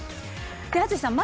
淳さん